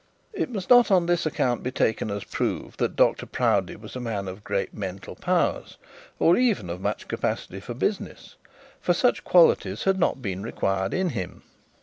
It must not be on this account be taken as proved that Dr Proudie was a man of great mental powers, or even of much capacity for business, for such qualities had not been required in him.